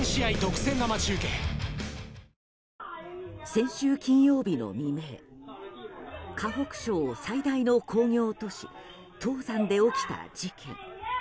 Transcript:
先週金曜日の未明河北省最大の工業都市唐山で起きた事件。